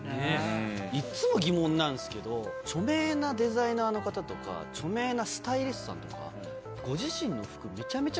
いつも疑問なんですけど著名なデザイナーの方とか著名なスタイリストさんとかご自身の服。